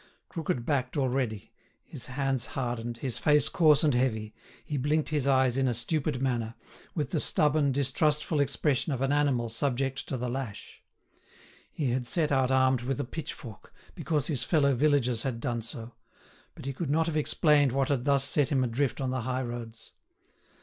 Crooked backed already, his hands hardened, his face coarse and heavy, he blinked his eyes in a stupid manner, with the stubborn, distrustful expression of an animal subject to the lash. He had set out armed with a pitchfork, because his fellow villagers had done so; but he could not have explained what had thus set him adrift on the high roads.